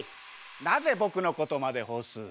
「なぜ僕のことまでほす」